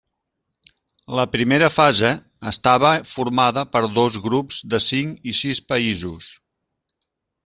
La primera fase estava formada per dos grups de cinc i sis països.